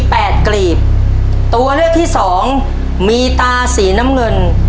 แปดกลีบตัวเลือกที่สองมีตาสีน้ำเงิน